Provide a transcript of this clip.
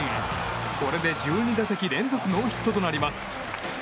これで１２打席連続ノーヒットとなります。